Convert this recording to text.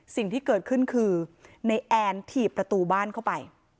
สิ่งที่เกิดขึ้นคือในแอนถีบประตูบ้านเข้าไป